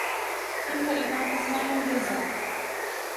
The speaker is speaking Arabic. تلك إذا قسمة ضيزى